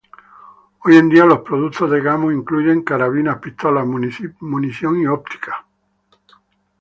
Hoy en día, los productos de Gamo incluyen carabinas, pistolas, munición y óptica.